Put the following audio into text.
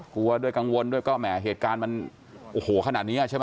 กลัวด้วยกังวลด้วยก็แหมเหตุการณ์มันโอ้โหขนาดนี้ใช่ไหม